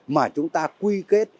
mà chúng ta quy kết